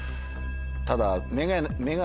ただ。